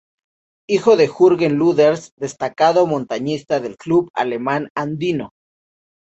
Hijo de Jürgen Lüders, destacado montañista del Club Alemán Andino.